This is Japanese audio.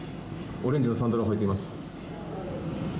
オレンジのサンダルを履いています。